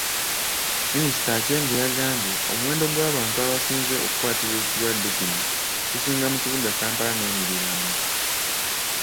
Minisita Aceng yagambye omuwendo gw’abantu abasinze okukwatibwa ekirwadde kino gusinga mu kibuga Kampala n’emiriraano.